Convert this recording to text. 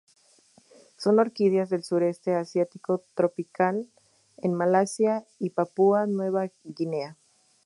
Son orquídeas del Sureste asiático tropical en Malasia y Papúa Nueva Guinea.